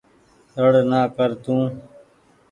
ۯڙ نآ ڪر تو۔